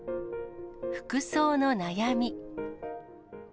服装の悩み。